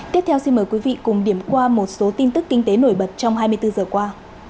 chúng ta xin mời quý vị cùng điểm qua một số tin tức kinh tế nổi bật trong hai mươi bốn h qua